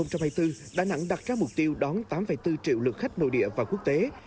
năm hai nghìn hai mươi bốn đà nẵng đặt ra mục tiêu đón tám bốn triệu lượt khách nội địa và quốc tế